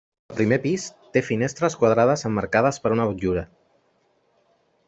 El primer pis té finestres quadrades emmarcades per una motllura.